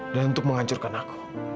dan untuk menghancurkan aku